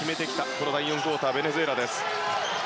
この第４クオーターベネズエラです。